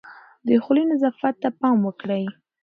د خولې نظافت ته پام وکړئ.